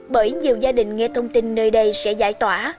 bởi nhiều gia đình nghe thông tin nơi đây sẽ giải tỏa